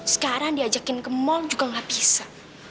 sekarang diajakin ke mall juga nggak bisa